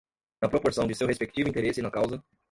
na proporção de seu respectivo interesse na causa